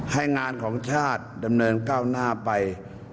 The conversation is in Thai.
ให้งานของชาติดำเนินก้าวหน้าไป